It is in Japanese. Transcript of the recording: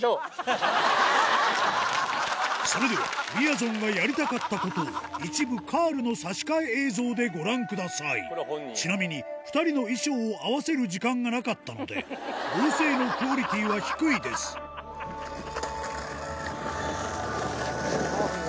それではみやぞんがやりたかったことを一部カールの差し替え映像でご覧くださいちなみに２人の衣装を合わせる時間がなかったので合成のクオリティーは低いですスゴいよ。